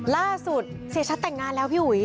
เสียชัดแต่งงานแล้วพี่อุ๋ย